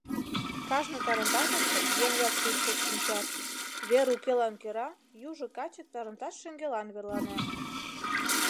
Кажне тарантасыште еҥ-влак шӱшкылт шинчат, вер укелан кӧра южо каче тарантас шеҥгелан верланен.